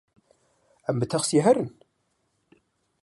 Em bi texsiyê herin?